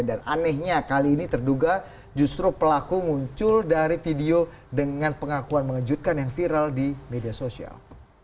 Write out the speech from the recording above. dan anehnya kali ini terduga justru pelaku muncul dari video dengan pengakuan mengejutkan yang viral di media sosial